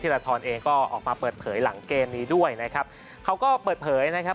ราธรเองก็ออกมาเปิดเผยหลังเกมนี้ด้วยนะครับเขาก็เปิดเผยนะครับ